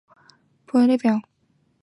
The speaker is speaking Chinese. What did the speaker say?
以下为本次赛事转播台列表。